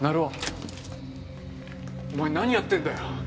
お前何やってんだよ。